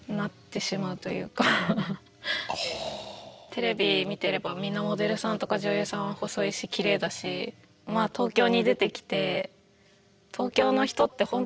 テレビ見てればみんなモデルさんとか女優さんは細いしきれいだし東京に出てきて理想とする何かあるんですか？